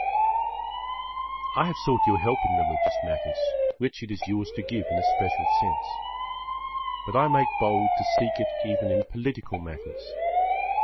I have sought your help in religious matters, which it is yours to give in a special sense. But I make bold to seek it even in political matters.